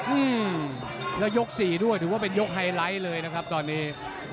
อืมแล้วยกสี่ด้วยถือว่าเป็นยกไฮไลท์เลยนะครับตอนนี้